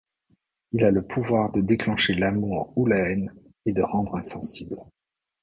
Il a le pouvoir de déclencher l'amour ou la haine et de rendre insensible.